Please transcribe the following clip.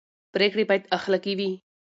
پرېکړې باید اخلاقي وي